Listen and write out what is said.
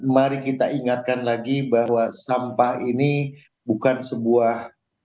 mari kita ingatkan lagi bahwa sampah ini bukan sebuah